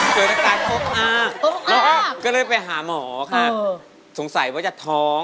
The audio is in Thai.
เกิดสการโต๊ะอ้ากก่อนแล้วก็เลยไปหาหมอค่ะสงสัยว่าจะท้อง